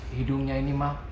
hidungnya ini ma